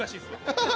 ハハハハ！